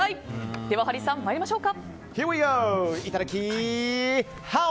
では、ハリーさん参りましょうか。